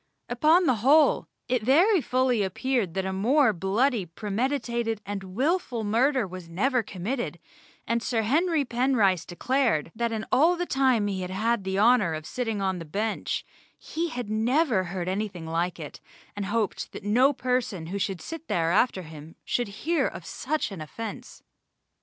Upon the whole it very fully appeared that a more bloody premeditated and wilful murder was never committed, and Sir Henry Penrice declared, that in all the time he had had the honour of sitting on the Bench he never heard anything like it, and hoped that no person who should sit there after him should hear of such an offence.